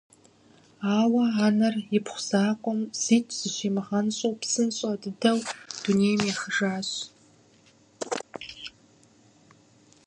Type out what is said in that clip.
Ауэ анэр ипхъу закъуэм зикӀ зыщимыгъэнщӀу псынщӀэ дыдэу дунейм ехыжащ.